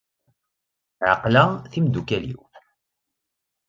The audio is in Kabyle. Ɛeqleɣ timeddukal-iw.